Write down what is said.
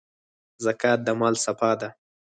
زکات د مال صفا ده.